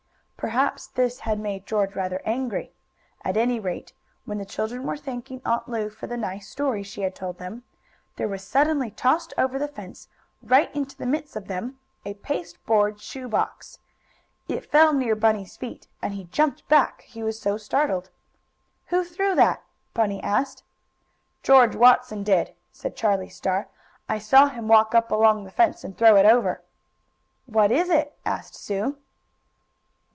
Perhaps this had made George rather angry. At any rate, when the children were thanking Aunt Lu for the nice story she had told them, there was suddenly tossed over the fence, right into the midst of them, a paste board shoe box. It fell near Bunny's feet, and he jumped back, he was so startled. "Who threw that?" Bunny asked. "George Watson did," said Charlie Star. "I saw him walk up along the fence, and throw it over." "What is it?" asked Sue.